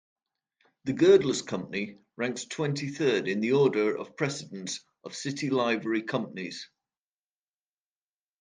The Girdlers' Company ranks twenty-third in the order of precedence of City Livery Companies.